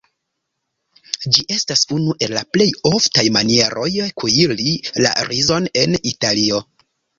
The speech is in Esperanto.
Ĝi estas unu el la plej oftaj manieroj kuiri la rizon en Italio.